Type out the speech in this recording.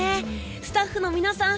スタッフの皆さん